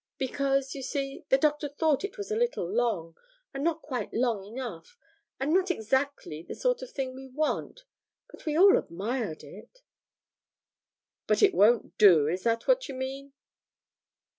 Because, you see, the Doctor thought it was a little long, and not quite light enough; and not exactly the sort of thing we want, but we all admired it.' 'But it won't do? Is that what you mean?'